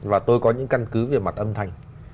và tôi có những căn cứ về mặt âm thanh